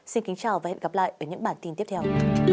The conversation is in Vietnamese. xin kính chào và hẹn gặp lại ở những bản tin tiếp theo